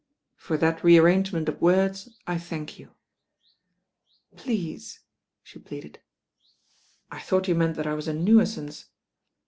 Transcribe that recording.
••For that re arrangement of words I thank you." ••Please," she pleaded. •'I thought you meant that I was a nuisance.